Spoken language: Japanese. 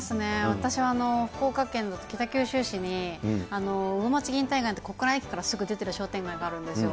私は福岡県の北九州市に、って小倉駅からすぐ出てる商店街があるんですよ。